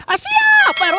asia pak rw